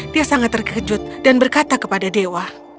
dia sangat terkejut dan berkata kepada dewa